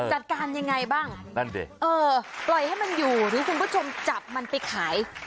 จัดการยังไงบ้างนั่นดิเออปล่อยให้มันอยู่หรือคุณผู้ชมจับมันไปขาย